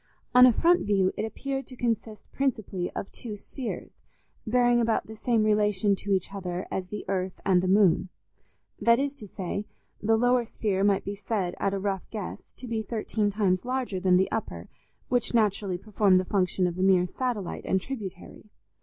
On a front view it appeared to consist principally of two spheres, bearing about the same relation to each other as the earth and the moon: that is to say, the lower sphere might be said, at a rough guess, to be thirteen times larger than the upper which naturally performed the function of a mere satellite and tributary.